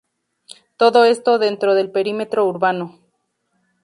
Todo esto dentro del perímetro urbano.